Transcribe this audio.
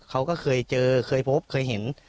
เขาก็เคยเจอเคยพบเคยเห็น